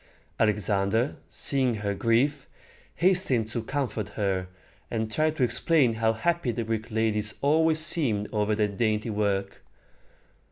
Alexander, seeing her grief, hastened to comfort her, and tried to explain how happy the Greek ladies always seemed over their dainty work.